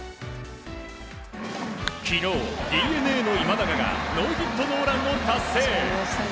昨日、ＤｅＮＡの今永がノーヒットノーランを達成。